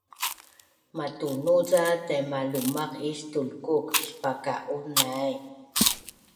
matunu ca taimalumaq is tulkuk ispaka’un nai